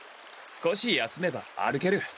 少し休めば歩ける。